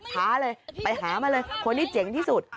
หาเลยไปหามาเลยคนที่เจ๋งที่สุด